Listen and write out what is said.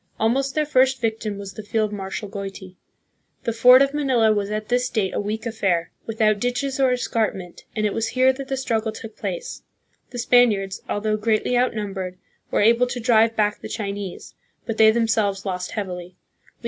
Almost their first victim was the field marshal Goiti. The fort of Manila was at this date a weak affair, without ditches or escarpment, and it was here that the struggle took place. The Spaniards, although greatly outnum bered, were able to drive back the Chinese; but they themselves lost heavily.